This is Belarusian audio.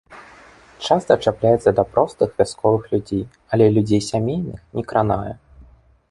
Часта чапляецца да простых вясковых людзей, але людзей сямейных не кранае.